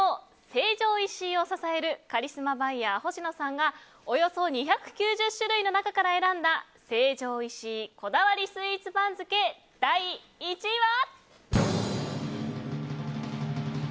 成城石井を支えるカリスマバイヤーの星野さんがおよそ２９０種類の中から選んだ成城石井こだわりスイーツ番付第１位は。